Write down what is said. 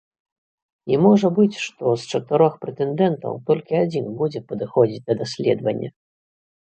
І можа быць, што з чатырох прэтэндэнтаў толькі адзін будзе падыходзіць да даследавання.